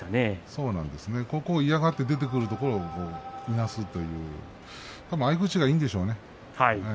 そこを嫌がって出てくるところをいなすという合い口がいいんでしょうね。